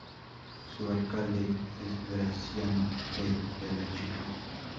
Su alcalde es Graciano P. de la Chica.